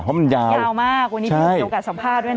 เพราะมันยาวยาวมากวันนี้พี่มีโอกาสสัมภาษณ์ด้วยนะ